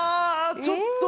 ちょっと。